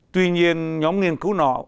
tuy nhiên nhóm nghiên cứu nó